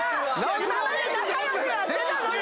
仲良くやってたのに！